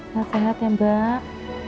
sehat sehat ya mbak